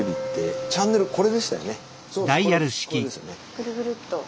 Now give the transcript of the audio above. ぐるぐるっと。